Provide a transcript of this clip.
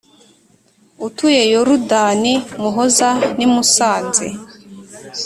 utuye Yorudani’ Muhoza n‘Musanze